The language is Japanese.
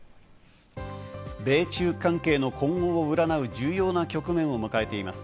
米中関係の今後を占う重要な局面を迎えています。